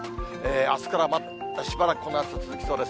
あすからまたしばらくこの暑さ続きそうです。